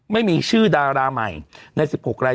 ไม่มีชื่อดาราใหม่ใน๑๖ราย